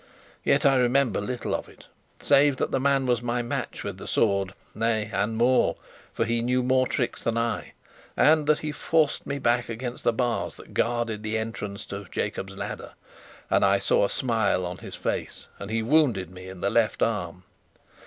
Yet I remember little of it, save that the man was my match with the sword nay, and more, for he knew more tricks than I; and that he forced me back against the bars that guarded the entrance to "Jacob's Ladder." And I saw a smile on his face, and he wounded me in the left arm.